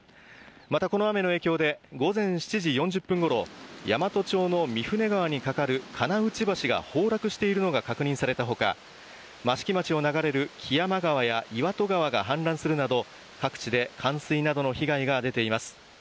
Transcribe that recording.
またこの雨の影響で、午前７時４０分ごろ、山都町の御船川に架かる金内橋が崩落しているのが確認されたほか、益城町を流れる木山川や岩戸川が氾濫するなど、各地で冠水などの被害が出ています。